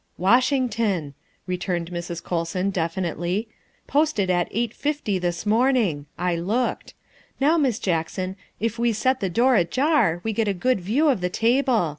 ''" Washington," returned Mrs. Colson definitely, " posted at eight fifty this morning. I looked. Now, Miss Jackson, if we set the door ajar we get a good view of the table.